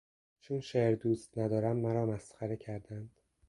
چون شعر دوست ندارم مرا مسخره کردند.